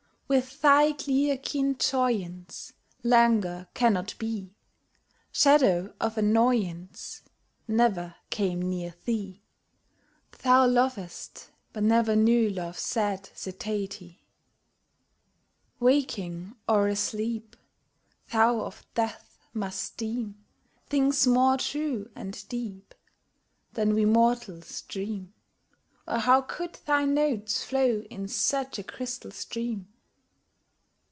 With thy clear keen joyance Languor cannot be: Shadow of annoyance Never came near thee: Thou lovest, but ne'er knew love's sad satiety. Waking or asleep, Thou of death must deem Things more true and deep Than we mortals dream, Or how could thy notes flow in such a crystal stream?